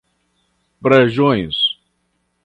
Brejões